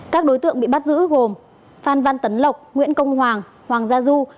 các đối tượng bị bắt giữ gồm phan văn tấn lộc nguyễn công hoàng hoàng gia du